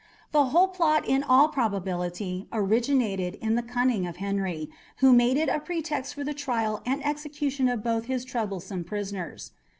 The whole plot in all probability originated in the cunning of Henry, who made it a pretext for the trial and execution of both his troublesome prisoners.